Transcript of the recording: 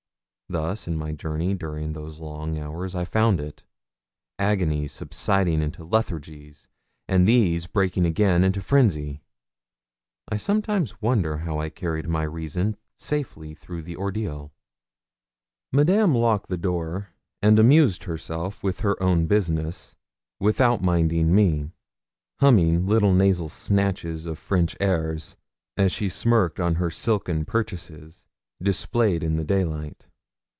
Thus in my journey during those long hours I found it agonies subsiding into lethargies, and these breaking again into frenzy. I sometimes wonder how I carried my reason safely through the ordeal. Madame locked the door, and amused herself with her own business, without minding me, humming little nasal snatches of French airs, as she smirked on her silken purchases displayed in the daylight.